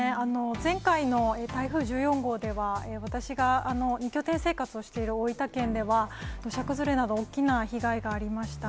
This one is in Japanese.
前回の台風１４号では、私が２拠点生活をしている大分県では、土砂崩れなど、大きな被害がありました。